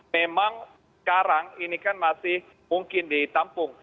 memang sekarang ini kan masih mungkin ditampung